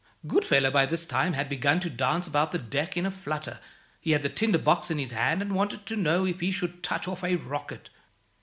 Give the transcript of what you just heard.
Goodfellow by this time had begun to dance about the deck in a flutter. He had the tinder box in his hand, and wanted to know if he should touch off a rocket.